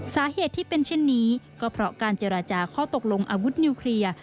สาเหตุที่เป็นเช่นนี้ก็เพราะการเจรจาข้อตกลงอาวุธนิวเคลียร์